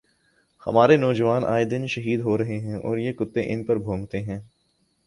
ہمارے جوان اے دن شہید ہو رہے ہیں اور یہ کتے ان پر بھونکتے ہیں